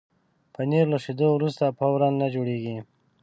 پنېر له شیدو وروسته فوراً نه جوړېږي.